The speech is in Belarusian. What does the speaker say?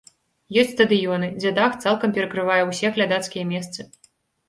Ёсць стадыёны, дзе дах цалкам перакрывае ўсе глядацкія месцы.